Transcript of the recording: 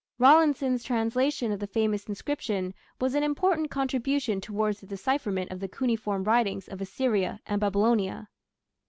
Rawlinson's translation of the famous inscription was an important contribution towards the decipherment of the cuneiform writings of Assyria and Babylonia.